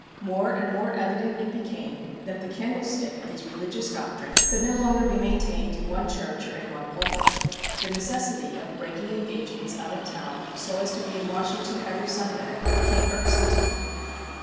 More and more evident it became that the candlestick of his religious doctrine could no longer be maintained in one church, or in one pulpit. The necessity of breaking engagements out of town so as to be in Washington every Sunday became irksome to him.